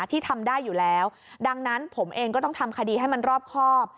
ที่ทำได้อยู่แล้วดังนั้นผมเองก็ต้องทำคดีให้มันรอบครอบ